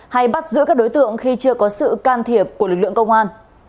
hay bắt giữ các đối tượng khi chưa có sự can thiệp của lực lượng công an